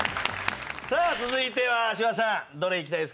さあ続いては柴田さんどれいきたいですか？